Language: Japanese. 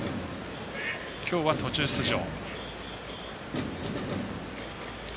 きょうは途中出場。